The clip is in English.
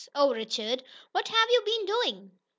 Oh, Richard! What have you been doing?"